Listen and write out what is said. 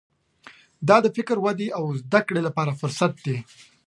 دا د فکري ودې او زده کړې لپاره فرصت دی.